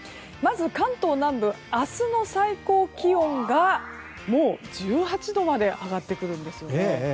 まず、関東南部明日の最高気温がもう１８度まで上がってくるんですね。